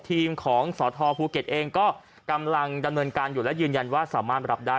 ทีมของสทภูเก็ตเองก็กำลังดำเนินการอยู่และยืนยันว่าสามารถรับได้